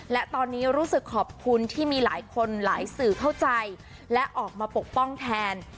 และตอนนี้รู้สึกขอบคุณที่มีหลายคนหลายสื่อเข้าใจและออกมาปกป้องแทน